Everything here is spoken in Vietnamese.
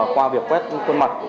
qua việc quét khuôn mặt